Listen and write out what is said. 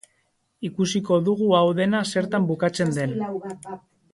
Ikusiko dugu hau dena zertan bukatzen den.